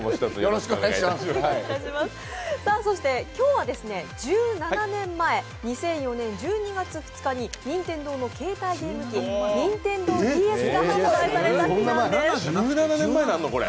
そして今日は１７年前２００４年１２月２日に任天堂の携帯ゲーム機、ニンテンドーＤＳが発売された日なんです。